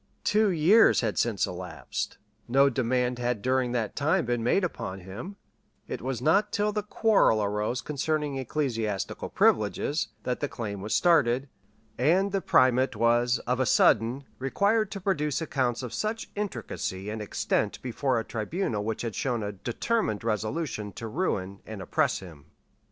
[] Two years had since elapsed; no demand had during that time been made upon him; it was not till the quarrel arose concerning ecclesiastical privileges, that the claim was started, and the primate was, of a sudden, required to produce accounts of such intricacy and extent before a tribunal which had shown a determined resolution to ruin and oppress him.